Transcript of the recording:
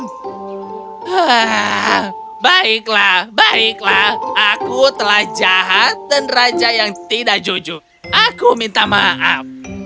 hah baiklah baiklah aku telah jahat dan raja yang tidak jujur aku minta maaf